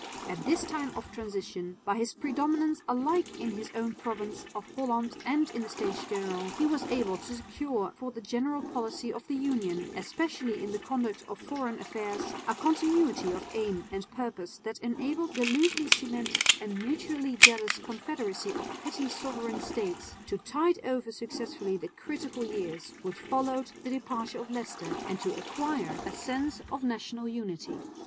At this time of transition, by his predominance alike in his own province of Holland and in the States General, he was able to secure for the general policy of the Union, especially in the conduct of foreign affairs, a continuity of aim and purpose that enabled the loosely cemented and mutually jealous confederacy of petty sovereign states to tide over successfully the critical years which followed the departure of Leicester, and to acquire a sense of national unity.